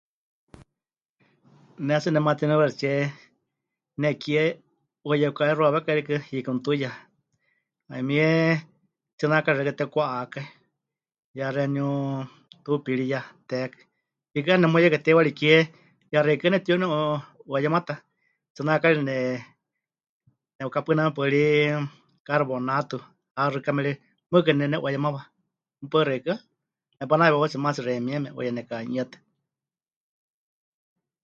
Ne tsɨ nematinuiwaxɨtsie nekie 'uaye pɨkahexuawékai rikɨ, hiikɨ mɨtuiya, 'ayumie tsináakari xeikɨ́a tepɨkwá'akai, ya xeeníu tuupiriyáteexi, hiikɨ 'eena nemuyeika teiwari kie ya xeikɨ́a nepɨtiune'uayemata, tsináakari ne... ne'ukapɨname paɨrí carbonato, ha xɨkame ri, mɨɨkɨ́ nepɨne'uayemawa, mɨpaɨ xeikɨ́a, nepanayewautse maatsi xeimieme, 'uaye neka'anu'ietɨ.